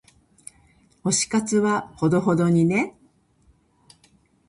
推し活はほどほどにね。